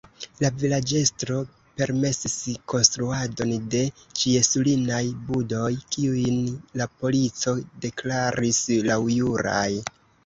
La vilaĝestro permesis konstruadon de ĉiesulinaj budoj, kiujn la polico deklaris laŭjuraj.